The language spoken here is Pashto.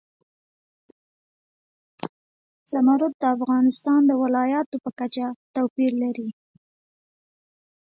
زمرد د افغانستان د ولایاتو په کچه توپیر لري.